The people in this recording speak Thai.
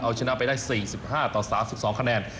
เอาชนะไปได้๔๕ต่อ๓๒คะแนน